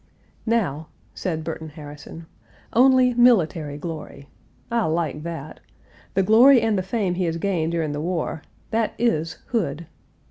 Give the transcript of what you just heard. "Now," said Burton Harrison, "only military glory! I like that! The glory and the fame he has gained during the war that is Hood.